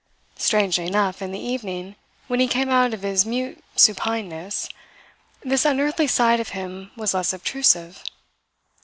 Strangely enough in the evening when he came out of his mute supineness, this unearthly side of him was less obtrusive.